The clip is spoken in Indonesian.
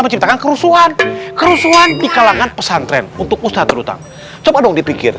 menciptakan kerusuhan kerusuhan di kalangan pesantren untuk usaha berhutang coba dong dipikir